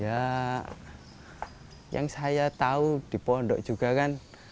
ya yang saya tahu di pondok juga kan